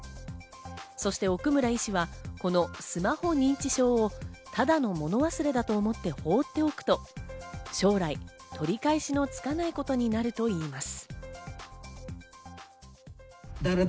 そして奥村医師はこのスマホ認知症をただのもの忘れだと思ってほうっておくと将来、取り返しのつかないことになるといいます。